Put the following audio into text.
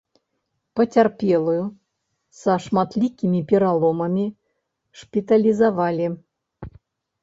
Пацярпелую са шматлікімі пераломамі шпіталізавалі.